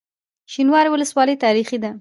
شینوارو ولسوالۍ تاریخي ده؟